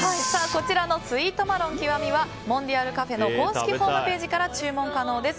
こちらのスイートマロン極はモンディアルカフェの公式ホームページから注文可能です。